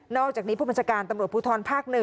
อกจากนี้ผู้บัญชาการตำรวจภูทรภาค๑